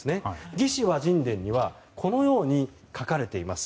「魏志倭人伝」にはこのように書かれています。